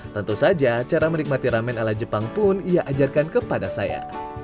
tentu saja cara menikmati ramen ala jepang pun ia ajarkan kepada saya